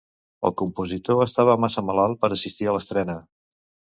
El compositor estava massa malalt per assistir a l'estrena.